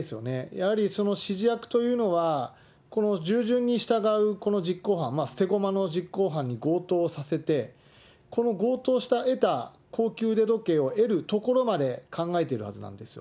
やはり指示役というのは、この従順に従う実行犯、捨て駒の実行犯に強盗をさせて、この強盗して得た高級腕時計を得るところまで考えているはずなんですよ。